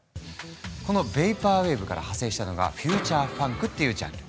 このヴェイパーウェーブから派生したのがフューチャーファンクっていうジャンル。